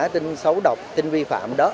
tin xấu độc tin vi phạm đó